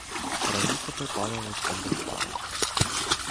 Раїса припала лицем до шпари.